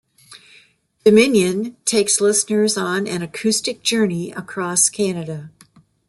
"Dominion" takes listeners on an acoustic journey across Canada.